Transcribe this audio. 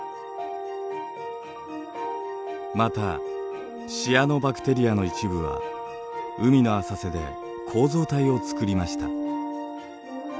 またシアノバクテリアの一部は海の浅瀬で構造体をつくりました。